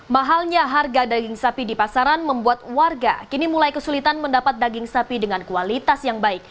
mahalnya harga daging sapi di pasaran membuat warga kini mulai kesulitan mendapat daging sapi dengan kualitas yang baik